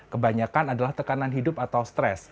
kebanyakan adalah tekanan hidup atau stres